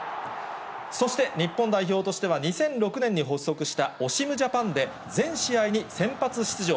そして日本代表としては２００６年に発足したオシムジャパンで、全試合に先発出場。